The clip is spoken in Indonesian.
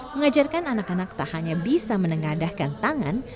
mengajarkan anak anak tak hanya bisa menengadahkan tangan